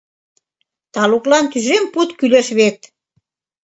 Талуклан тӱжем пуд кӱлеш вет!